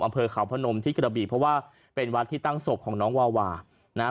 อำเภอเขาพนมที่กระบีเพราะว่าเป็นวัดที่ตั้งศพของน้องวาวานะฮะ